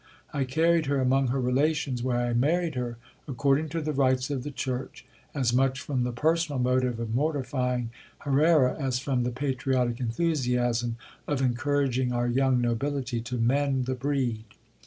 I carried her among her relations, where I married her according to the rites of the church, as much from the personal motive of mortifying Herrera, as from the patriotic enthu siasm of encouraging our young nobility to mend the breed.